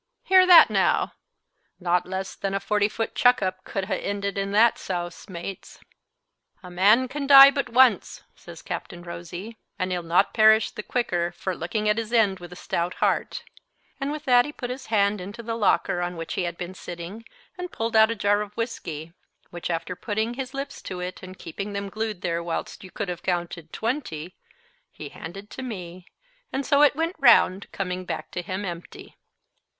Hear that, now! naught less than a forty foot chuck up could ha' ended in that souse, mates." "A man can die but once," says Captain Rosy, "and he'll not perish the quicker for looking at his end with a stout heart;" and with that he put his hand into the locker on which he had been sitting and pulled out a jar of whisky, which, after putting his lips to it and keeping them glued there whilst you could have counted twenty, he handed to me, and so it went round, coming back to him empty.